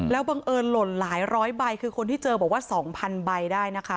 บังเอิญหล่นหลายร้อยใบคือคนที่เจอบอกว่า๒๐๐ใบได้นะคะ